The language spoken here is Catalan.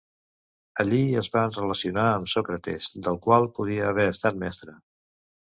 Allí es va relacionar amb Sòcrates, del qual podria haver estat mestre.